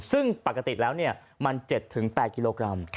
ซึ่งปกติแล้วมัน๗๘กิโลกรัม